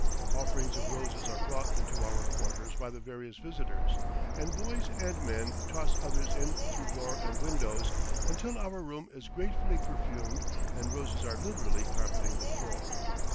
Offerings of roses are brought into our quarters by the various visitors, and boys and men toss others in through door and windows, until our room is gratefully perfumed and roses are literally carpeting the floor.